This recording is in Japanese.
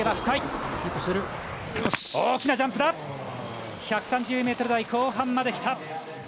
１３０ｍ台後半まできた。